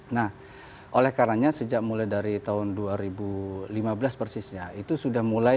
nah oleh karenanya sejak mulai dari tahun dua ribu lima belas persisnya itu sudah mulai